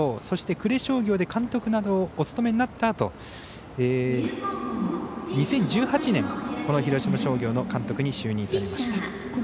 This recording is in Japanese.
そして監督などをお務めになったあと２０１８年、この広島商業の監督に就任されました。